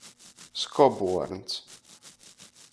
Skobuorns.